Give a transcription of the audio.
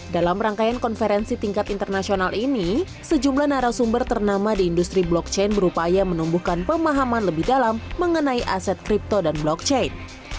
dalam rangkaian konferensi tingkat internasional ini sejumlah narasumber ternama di industri blockchain berupaya menumbuhkan pemahaman lebih dalam mengenai aset kripto dan blockchain